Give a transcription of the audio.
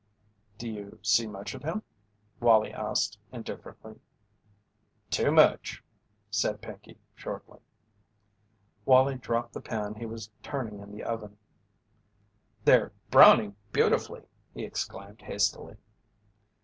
"Do you see much of him?" Wallie asked, indifferently. "Too much," said Pinkey, shortly. Wallie dropped the pan he was turning in the oven. "They're browning beautifully," he exclaimed hastily.